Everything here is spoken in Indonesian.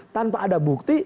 tanpa ada bukti